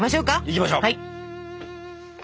いきましょう！